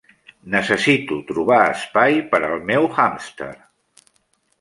Necessito trobar espai per al meu hàmster